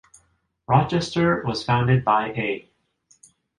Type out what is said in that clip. Rochester was founded by A.